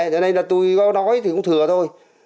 nên là tôi có nói thì cũng thừa thôi